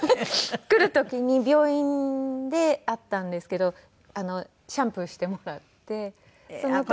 来る時に病院で会ったんですけどシャンプーしてもらってその時の。